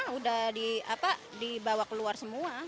sudah dibawa keluar semua